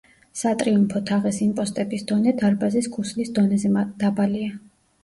სატრიუმფო თაღის იმპოსტების დონე დარბაზის ქუსლის დონეზე დაბალია.